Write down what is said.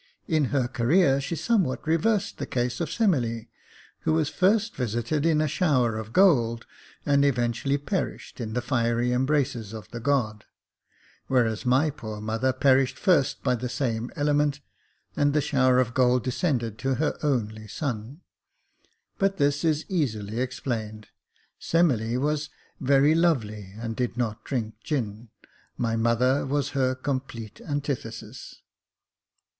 In her career she somewhat reversed the case of Semele, who was first visited in a shower of gold, and eventually perished in the fiery embraces of the god : whereas my poor mother perished first by the same element, and the shower of gold descended to her only son. But this is easily explained. Semele was very lovely and did not drink gin — my mother was her complete antithesis.